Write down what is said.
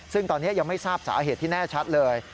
ซึ่งตอนนี้ยังไม่ทราบสาเหตุที่แน่ชัดเลย